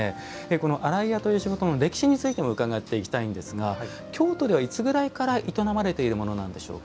この洗い屋という仕事の歴史についても伺っていきたいんですが京都ではいつぐらいから営まれているものなんでしょうか。